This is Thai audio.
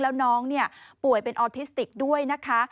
แล้วน้องป่วยเป็นออทิสติกด้วยนะคะ